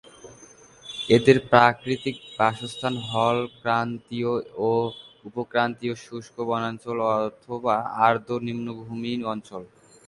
এদের প্রাকৃতিক বাসস্থান হল ক্রান্তীয় ও উপক্রান্তীয় শুষ্ক বনাঞ্চল অথবা আর্দ্র নিম্নভূমি অঞ্চল।